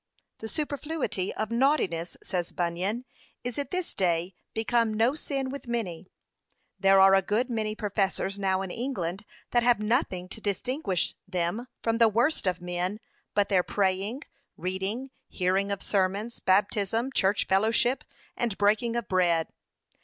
The superfluity of naughtiness,' says Bunyan, 'is at this day become no sin with many.' p. 509. 'There are a good many professors now in England that have nothing to distinguish them from the worst of men,' but their praying, reading, hearing of sermons, baptism, church fellowship, and breaking of bread.